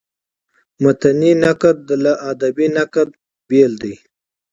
متني نقد له ادبي نقده بېل دﺉ.